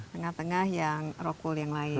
tengah tengah yang rohkul yang lain ya